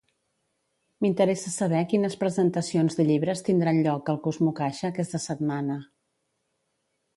M'interessa saber quines presentacions de llibres tindran lloc al CosmoCaixa aquesta setmana.